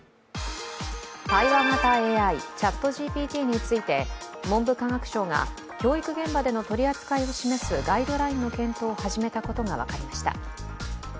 対話型ＡＩＣｈａｔＧＰＴについて文部科学省が教育現場での取り扱いを示すガイドラインの検討を始めたことが分かりました。